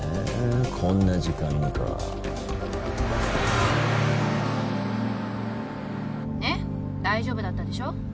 こんな時間にかねっ大丈夫だったでしょ？